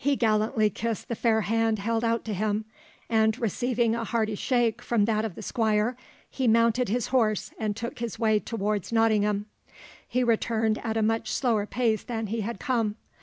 He gallantly kissed the fair hand held out to him; and receiving a hearty shake from that of the Squire, he mounted his horse and took his way towards Nottingham. He returned at a much slower pace than he had come.